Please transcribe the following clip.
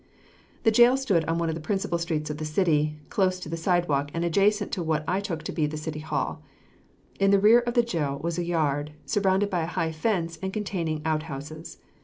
The jail stood on one of the principal streets of the city, close to the sidewalk and adjacent to what I took to be the city hall. In the rear of the jail was a yard, surrounded by a high fence and containing out houses.